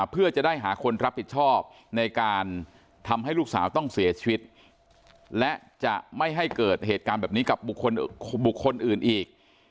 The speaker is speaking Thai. เพื่อจะได้หาคนรับผิดชอบในการทำให้ลูกสาวต้องเสียชีวิตและจะไม่ให้เกิดเหตุการณ์แบบนี้กับบุคคลอื่นอีก